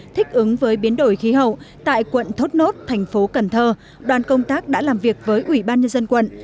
thích ứng với biến đổi khí hậu tại quận thốt nốt thành phố cần thơ đoàn công tác đã làm việc với ủy ban nhân dân quận